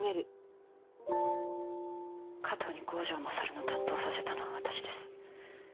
加藤に郷城勝の担当をさせたのは私です。